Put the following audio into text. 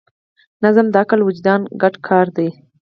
نظم د عقل او وجدان ګډ کار دی.